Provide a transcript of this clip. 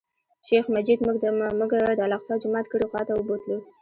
شیخ مجید موږ د الاقصی جومات کیڼې خوا ته بوتللو.